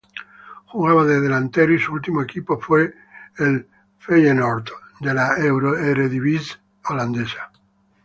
Jugaba de delantero y su último equipo fue el Feyenoord de la Eredivisie Holandesa.